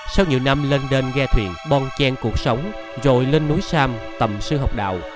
sau nhiều năm lên đên ghe thuyền bong chen cuộc sống rồi lên núi sam tầm sư học đạo